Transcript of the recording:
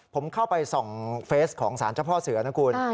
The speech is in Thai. ผมเข้าไปส่องเฟสของสารเจ้าพ่อเสือนะคุณ